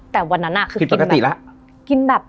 แต่วันนั้นคือกินแบบ